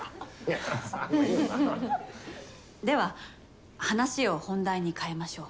では話を本題に変えましょう。